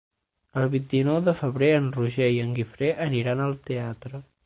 El vint-i-nou de febrer en Roger i en Guifré aniran al teatre.